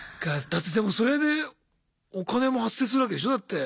だってでもそれでお金も発生するわけでしょだって。